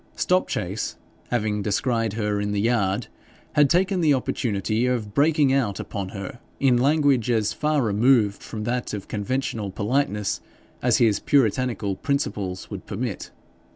Stopchase, having descried her in the yard, had taken the opportunity of breaking out upon her in language as far removed from that of conventional politeness as his puritanical principles would permit.